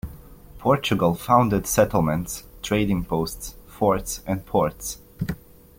Portugal founded settlements, trading posts, forts and ports.